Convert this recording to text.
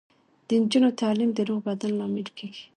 د نجونو تعلیم د روغ بدن لامل کیږي.